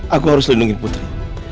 aku harus lindungi putri